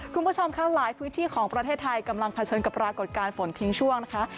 คุณผู้ชมค่ะหลายพื้นที่ของประเทศไทยกำลังเผชิญกับปรากฏการณ์ฝนทิ้งช่วงนะคะ